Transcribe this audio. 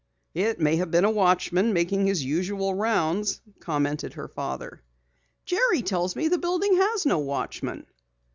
"It may have been a watchman making his usual rounds," commented her father. "Jerry tells me the building has no watchman."